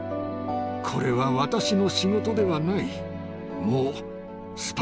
これは私の仕事ではない。